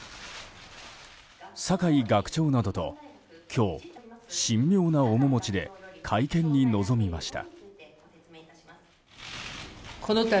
酒井学長などと今日、神妙な面持ちで会見に臨みました。